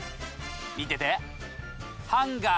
見てて！